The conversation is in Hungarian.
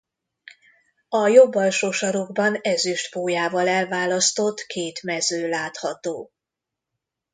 A jobb alsó sarokban ezüst pólyával elválasztott két mező látható.